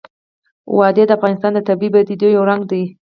وادي د افغانستان د طبیعي پدیدو یو رنګ دی.